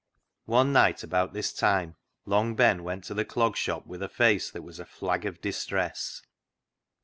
One night about this time Long Ben went to the Clog Shop with a face that was a flag of distress.